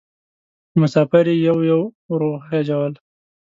مسافر یې یو یو ور وخېژول.